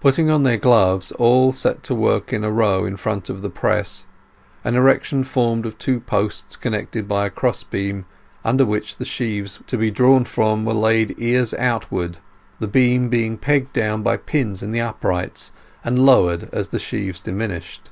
Putting on their gloves, all set to work in a row in front of the press, an erection formed of two posts connected by a cross beam, under which the sheaves to be drawn from were laid ears outward, the beam being pegged down by pins in the uprights, and lowered as the sheaves diminished.